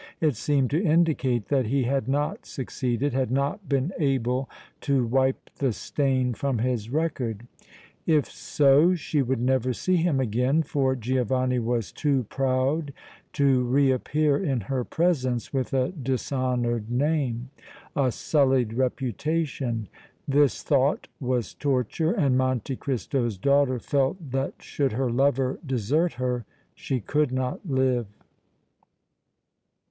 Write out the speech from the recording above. It seemed to indicate that he had not succeeded, had not been able to wipe the stain from his record. If so she would never see him again, for Giovanni was too proud to reappear in her presence with a dishonored name, a sullied reputation. This thought was torture, and Monte Cristo's daughter felt that should her lover desert her she could not live.